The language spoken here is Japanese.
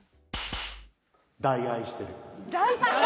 大愛してる？